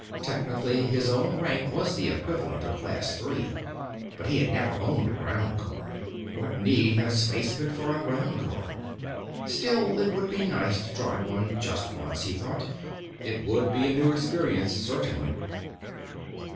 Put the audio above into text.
Technically, his own rank was the equivalent of Class Three, but he had never owned a groundcar. What need had a spaceman of a groundcar? Still, it would be nice to drive one just once, he thought; it would be a new experience, certainly.